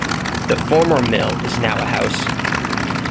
The former mill is now a house.